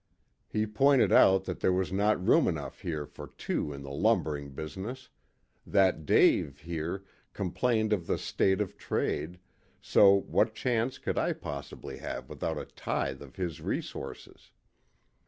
He pointed out that there was not room enough here for two in the lumbering business; that Dave, here, complained of the state of trade, so what chance could I possibly have without a tithe of his resources.